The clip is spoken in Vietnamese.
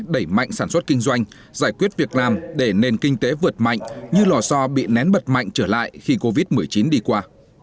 đẩy mạnh sản xuất kinh doanh giải quyết việc làm để nền kinh tế vượt mạnh như lò so bị nén bật mạnh trở lại khi covid một mươi chín đi qua